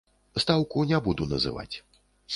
Стаўку не буду называць.